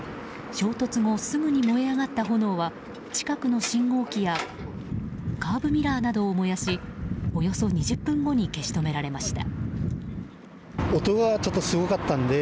衝突後すぐに燃え上がった炎は近くの信号機やカーブミラーなどを燃やしおよそ２０分後に消し止められました。